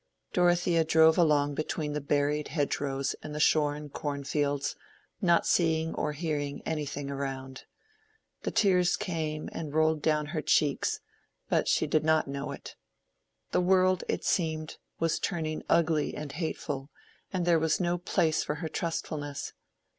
Dorothea drove along between the berried hedgerows and the shorn corn fields, not seeing or hearing anything around. The tears came and rolled down her cheeks, but she did not know it. The world, it seemed, was turning ugly and hateful, and there was no place for her trustfulness.